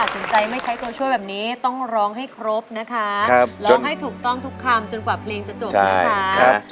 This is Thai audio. สนใจไม่ใช้ตัวช่วยแบบนี้ต้องร้องให้ครบนะคะร้องให้ถูกต้องทุกคำจนกว่าเพลงจะจบนะคะ